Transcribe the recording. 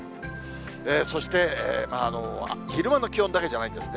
そして、昼間の気温だけじゃないんですね。